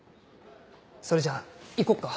それじゃ行こっか。